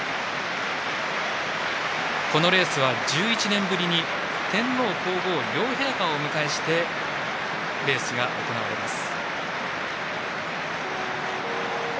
このレースは１１年ぶりに天皇・皇后両陛下をお迎えしてレースが行われています。